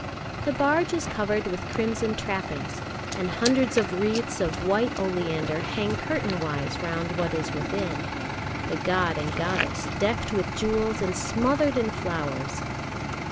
The barge is covered with crimson trappings, and hundreds of wreaths of white oleander hang curtain wise round what is within the god and goddess decked with jewels and smothered in flowers.